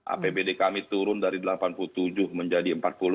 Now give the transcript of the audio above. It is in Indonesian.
apbd kami turun dari delapan puluh tujuh menjadi empat puluh lima